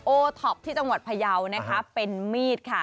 โอท็อปที่จังหวัดพยาวนะคะเป็นมีดค่ะ